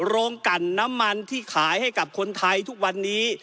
โรงกันน้ำมันที่ขายให้กับคนไทยทุกวันนี้